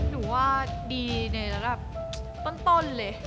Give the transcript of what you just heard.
หนูว่าดีในระดับต้นเลย